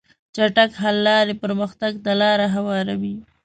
چټک حل لارې پرمختګ ته لار هواروي.